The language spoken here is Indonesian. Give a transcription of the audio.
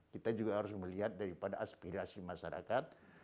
kita juga harus melihat daripada aspirasi masyarakat